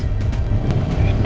dengan ilahi ina raja